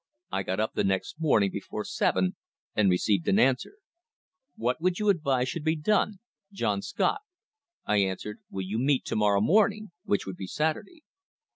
I got up the next morning before Iven and received an answer: '"What do you advise should be done? John Scott.' I answered: 'Will meet you morrow morning,' which would be Saturday.